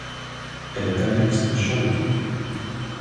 Elle est annexe de Champ-le-Duc.